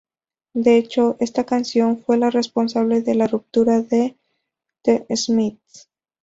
De hecho, esta canción fue la responsable de la ruptura de The Smiths.